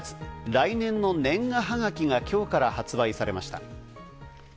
来年の年賀はがきが今日から発売されました。